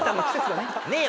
ねえよ。